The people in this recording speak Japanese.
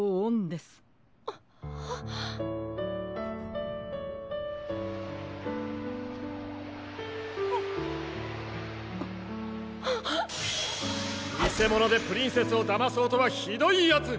「にせものでプリンセスをだまそうとはひどいヤツ！」。